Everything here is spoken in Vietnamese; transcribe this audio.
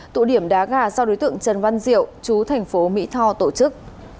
tụ điểm đá gà do đối tượng trần văn diệu chú thành phố mỹ tho tổ chức